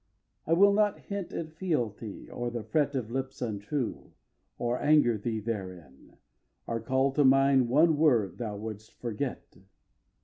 I will not hint at fealty or the fret Of lips untrue, or anger thee therein, Or call to mind one word thou wouldst forget.